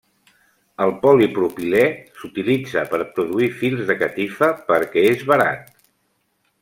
El polipropilè s'utilitza per produir fils de catifa perquè és barat.